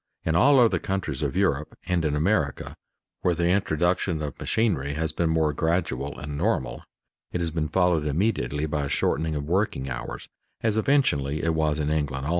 In all other countries of Europe and in America, where the introduction of machinery has been more gradual and normal, it has been followed immediately by a shortening of working hours, as eventually it was in England also.